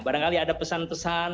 barangkali ada pesan pesan